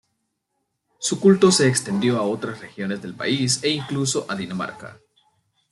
Su culto se extendió a otras regiones del país e incluso a Dinamarca.